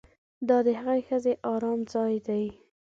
دا د هغې ښځې ارام ځای دی